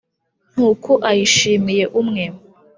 ntuku ayishimiye umwe.